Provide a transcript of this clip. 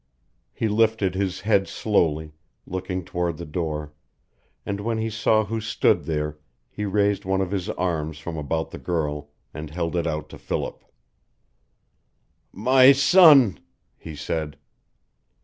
He lifted his head slowly, looking toward the door, and when he saw who stood there he raised one of his arms from about the girl and held it out to Philip. "My son!" he said.